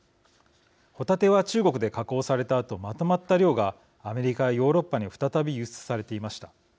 ホタテは、中国で加工されたあとまとまった量がアメリカやヨーロッパに再び輸出されていました。